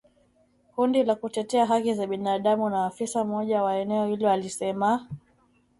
Kundi la kutetea haki za binadamu na afisa mmoja wa eneo hilo alisema